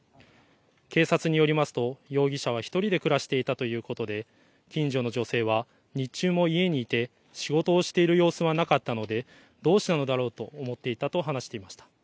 警察によりますと容疑者は１人で暮らしていたということで近所の女性は日中も家にいて仕事をしている様子はなかったのでどうしたのだろうと思っていたと話していました。